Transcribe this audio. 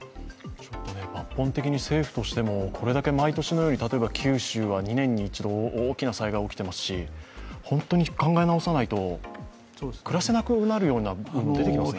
抜本的に政府としても、これだけ毎年のように九州だと２年に１度、大きな災害起きていますし本当に考え直さないと、暮らせなくなるようになっていますね。